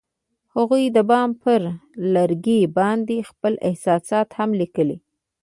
هغوی د بام پر لرګي باندې خپل احساسات هم لیکل.